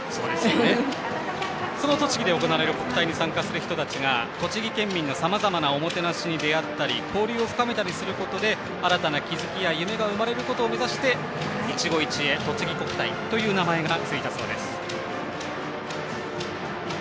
その栃木で行われる国体に参加する人々が栃木県民の、さまざまなおもてなしに出会ったり交流を深めたりすることで新たな気付きや夢が生まれることを目指していちご一会とちぎ国体という名前がついたそうです。